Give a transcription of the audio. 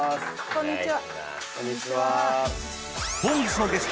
こんにちは。